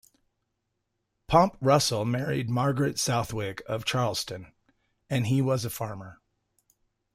Pomp Russell married Margaret Southwick of Charlestown, and he was a farmer.